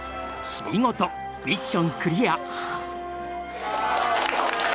見事ミッションクリア。